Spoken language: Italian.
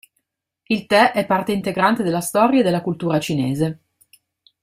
Il tè è parte integrante della storia e della cultura cinese.